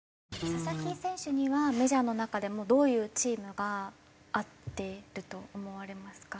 佐々木選手にはメジャーの中でもどういうチームが合ってると思われますか？